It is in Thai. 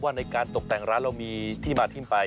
ในการตกแต่งร้านเรามีที่มาที่ไป